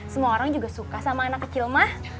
semua orang juga suka sama anak kecil mah